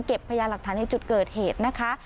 พยาหลักฐานในจุดเกิดเหตุนะคะ